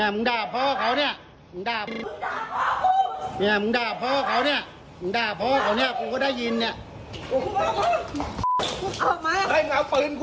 มึงด่าพ่อเขา